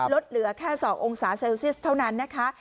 ลดเหลือแค่๒องศาเซลเซียสเท่านั้นนะคะ